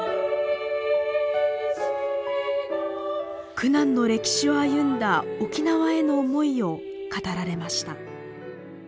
苦難の歴史を歩んだ沖縄への思いを語られました。